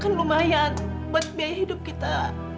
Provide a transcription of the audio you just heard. kan lumayan buat biaya hidup kita